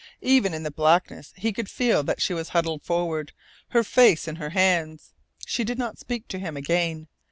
Even in the blackness he could FEEL that she was huddled forward, her face in her hands. She did not speak to him again.